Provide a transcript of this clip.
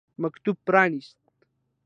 مکتوب پرانیست.